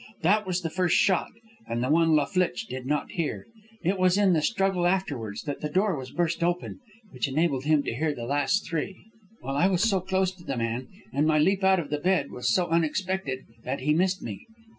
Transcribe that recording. That was the first shot, and the one La Flitche did not hear. It was in the struggle afterwards that the door was burst open, which enabled him to hear the last three. "Well; I was so close to the man, and my leap out of the bunk was so unexpected, that he missed me.